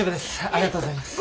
ありがとうございます。